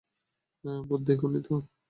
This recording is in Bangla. ভূত দেখোনি তো?